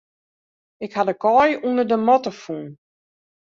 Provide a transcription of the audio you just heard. Ik ha de kaai ûnder de matte fûn.